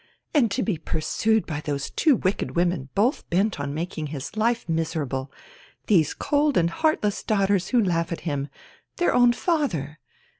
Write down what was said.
" And to be pursued by those two wicked women both bent on making his life miserable, these cold and heartless daughters who laugh at him ... their own father